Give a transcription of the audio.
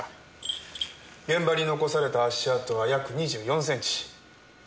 現場に残された足跡は約２４センチ。